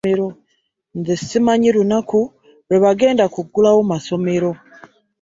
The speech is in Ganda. Nze simanyi lunnaku lwe bagenda kugulawo masomero.